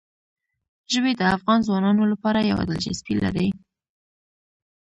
ژبې د افغان ځوانانو لپاره یوه دلچسپي لري.